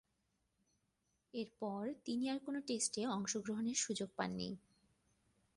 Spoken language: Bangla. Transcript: এরপর তিনি আর কোন টেস্টে অংশগ্রহণের সুযোগ পাননি।